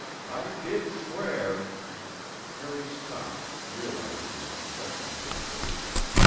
I did swear ' Harry stopped, realizing the confession he had made.